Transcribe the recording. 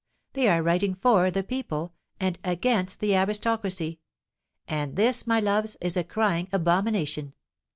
They are writing for the people, and against the aristocracy; and this, my loves, is a crying abomination.